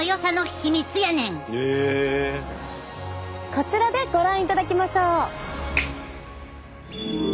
こちらでご覧いただきましょう。